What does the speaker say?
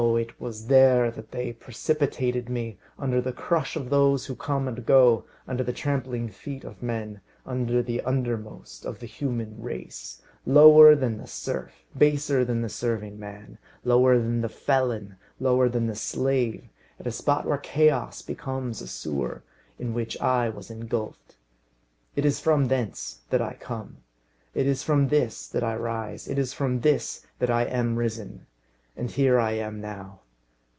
it was there that they precipitated me, under the crush of those who come and go, under the trampling feet of men, under the undermost of the human race, lower than the serf, baser than the serving man, lower than the felon, lower than the slave, at the spot where Chaos becomes a sewer, in which I was engulfed. It is from thence that I come; it is from this that I rise; it is from this that I am risen. And here I am now.